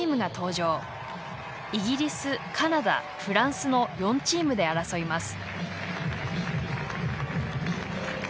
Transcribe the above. イギリスカナダフランスの４チームで争います。